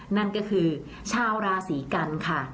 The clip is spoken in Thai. นั่นก็คือชาวราศีกันค่ะ